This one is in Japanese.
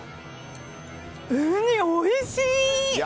ウニ、おいしい！